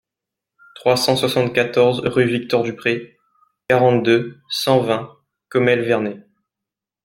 trois cent soixante-quatorze rue Victor Dupré, quarante-deux, cent vingt, Commelle-Vernay